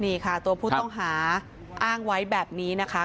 นี่ค่ะตัวผู้ต้องหาอ้างไว้แบบนี้นะคะ